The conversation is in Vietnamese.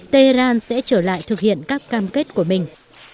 tehran sẽ trở lại thực hiện các cam kết của mình